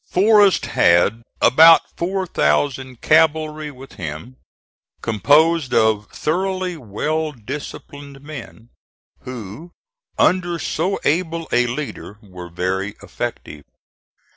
Forrest had about 4,000 cavalry with him, composed of thoroughly well disciplined men, who under so able a leader were very effective.